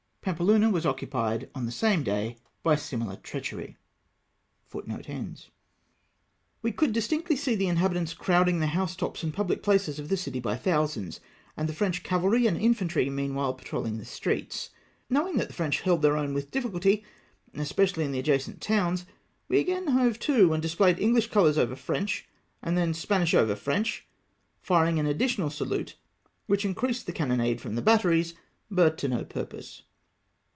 Pampeluna was occupied on the same day by similar treachery. SPANISH KINDNESS. 257 but their shot fell short. We could distinctly see the inhabitants crowding the house tops and public places of the city by thousands, and the French cavalry and infantry meanwhile patrolhng the streets. Knowing that the French held their own with difficulty, especially in the adjacent towns, we again hove to and displayed English coloiu s over French, and then Spanish over French, firing an additional salute, which increased the cannonade from the batteries, but to no purpose.